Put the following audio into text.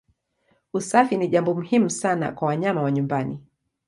Usafi ni jambo muhimu sana kwa wanyama wa nyumbani.